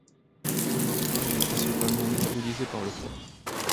L'hydromorphone est principalement métabolisé par le foie.